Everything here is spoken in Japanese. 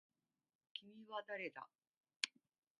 君は誰だ